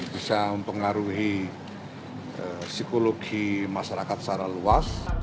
bisa mempengaruhi psikologi masyarakat secara luas